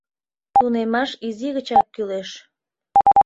Тунемаш изи гычак кӱлеш.